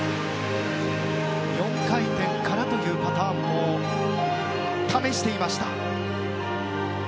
４回転からというパターンも試していました。